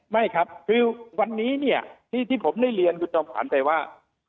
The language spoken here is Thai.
ไม่ครับคือวันนี้เนี่ยที่ผมได้เรียนคุณจอมขวัญไปว่า